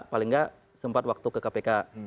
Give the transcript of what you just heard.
paling nggak sempat waktu ke kpk